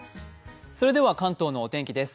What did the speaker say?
関東のお天気です。